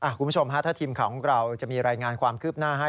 คุณผู้ชมฮะถ้าทีมข่าวของเราจะมีรายงานความคืบหน้าให้